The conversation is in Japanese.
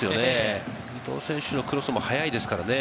伊東選手のクロスも速いですからね。